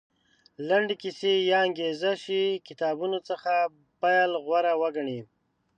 لنډې کیسې یا انګېزه شي کتابونو څخه پیل غوره وګڼي.